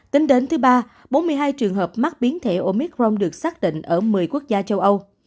tính đến thứ ba bốn mươi hai trường hợp mắc biến thể omicron được xác định ở một mươi quốc gia châu âu